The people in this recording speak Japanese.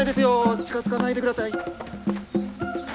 近づかないで下さい。